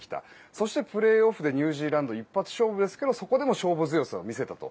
そして、プレーオフでニュージーランド一発勝負ですけどそこでも勝負強さを見せたと。